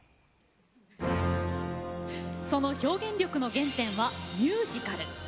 その表現力の原点はミュージカル。